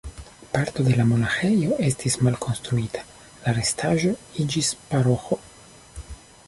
Parto de la monaĥejo estis malkonstruita, la restaĵo iĝis paroĥo.